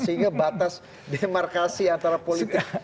sehingga batas demarkasi antara politik